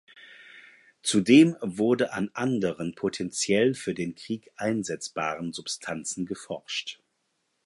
Zudem wurde an anderen potentiell für den Krieg einsetzbaren Substanzen geforscht.